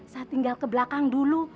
saya tinggal kebelakang dulu